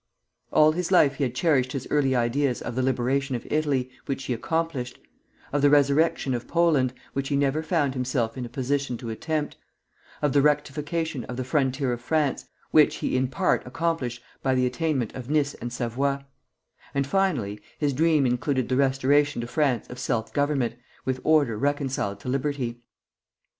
All his life he had cherished his early ideas of the liberation of Italy, which he accomplished; of the resurrection of Poland, which he never found himself in a position to attempt; of the rectification of the frontier of France, which he in part accomplished by the attainment of Nice and Savoy; and, finally, his dream included the restoration to France of self government, with order reconciled to liberty.